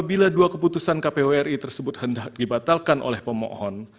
apabila dua keputusan kpu ri tersebut hendak dibatalkan oleh pemohon